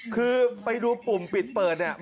คือไปดูปุ่มปิดเปิดเนี่ย